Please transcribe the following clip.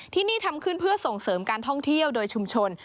ที่นี่ทำขึ้นเพื่อส่งเสริมการท่องเที่ยวโดยชุมชน